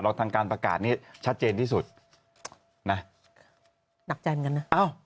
รอทางการประกาศนี้ชัดเจนที่สุดนักใจเหมือนกันนะ